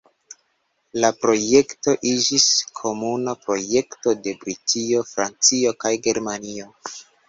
La projekto iĝis komuna projekto de Britio, Francio, kaj Germanio.